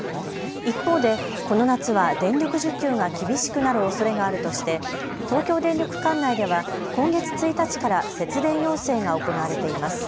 一方でこの夏は電力需給が厳しくなるおそれがあるとして東京電力管内では今月１日から節電要請が行われています。